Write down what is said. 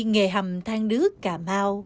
nghề hầm thang đứt cà mau